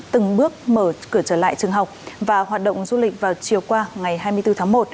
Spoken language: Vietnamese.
từng bước mở cửa trở lại trường học và hoạt động du lịch vào chiều qua ngày hai mươi bốn tháng một